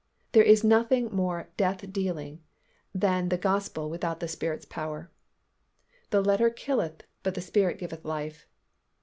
There is nothing more death dealing than the Gospel without the Spirit's power. "The letter killeth, but the Spirit giveth life."